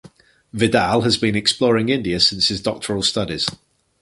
Vidal has been exploring India since his doctoral studies.